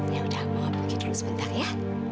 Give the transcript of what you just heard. yaudah mama pergi dulu sebentar ya